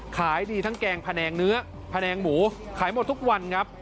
ขายดีทั้งแกงแผนงเนื้อแผนงหมูขายหมดทุกวันครับ